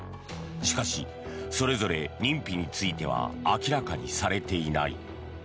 しかし、それぞれ認否については明らかにされていない。